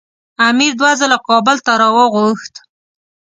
امیر دوه ځله کابل ته راوغوښت.